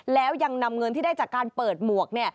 แล้วยังนำเงินที่ได้จากการเปิดหมวก